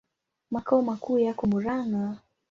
Makao makuu yako Murang'a.